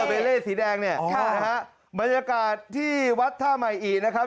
เบเล่สีแดงเนี่ยค่ะนะฮะบรรยากาศที่วัดท่าใหม่อินะครับ